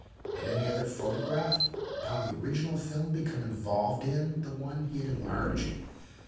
Had any other photo graph upon the original film become involved in the one he had enlarged